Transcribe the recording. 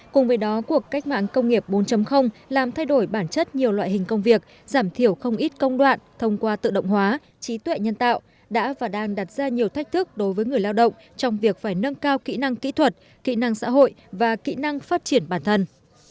cùng với đó cuộc cách mạng công nghiệp bốn làm thay đổi bản chất nhiều loại hình công việc giảm thiểu không ít công đoạn thông qua tự động hóa trí tuệ nhân tạo đã và đang đặt ra nhiều thách thức đối với người lao động trong việc phải nâng cao kỹ năng kỹ thuật kỹ năng xã hội và kỹ năng phát triển bản thân